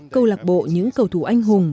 cầu lạc bộ những cầu thủ anh hùng